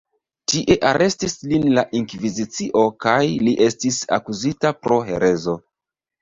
Tie arestis lin la inkvizicio kaj li estis akuzita pro herezo.